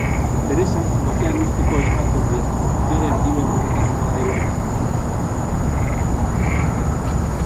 Teresak bakean uzteko eskatzen dio, bere adimen urritasuna dela eta.